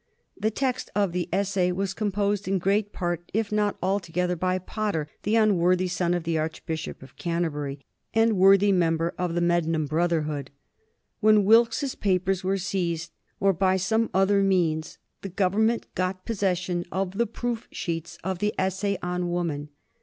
The text of the "Essay" was composed in great part, if not altogether, by Potter, the unworthy son of the Archbishop of Canterbury and worthy member of the Medmenham brotherhood. When Wilkes's papers were seized, or by some other means, the Government got possession of the proof sheets of the "Essay on Woman."